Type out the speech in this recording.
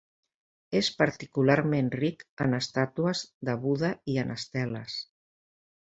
És particularment ric en estàtues de Buda i en esteles.